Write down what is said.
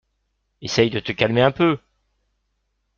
Essaie de te calmer un peu!